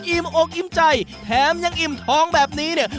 อิ่มอกอิ่มใจแถมยังอิ่มท้องแบบนี้เนี่ย